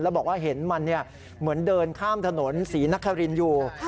แล้วบอกว่าเห็นมันเหมือนเดินข้ามถนนศรีนครินอยู่